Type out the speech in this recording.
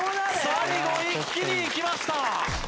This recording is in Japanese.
最後一気にいきました。